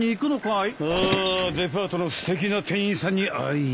ああデパートのすてきな店員さんに会いにね。